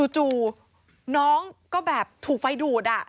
จู่น้องก็แบบถูกไฟดูด